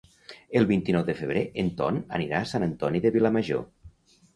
El vint-i-nou de febrer en Ton anirà a Sant Antoni de Vilamajor.